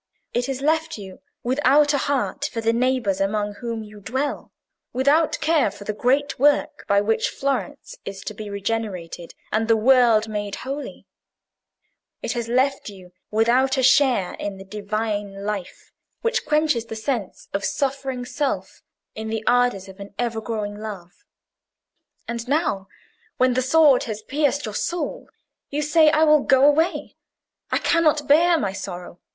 It has left you without a heart for the neighbours among whom you dwell, without care for the great work by which Florence is to be regenerated and the world made holy; it has left you without a share in the Divine life which quenches the sense of suffering Self in the ardours of an ever growing love. And now, when the sword has pierced your soul, you say, 'I will go away; I cannot bear my sorrow.